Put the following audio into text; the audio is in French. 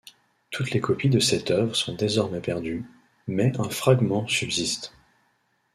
Toutes les copies de cette œuvre sont désormais perdues, mais un fragment subsiste.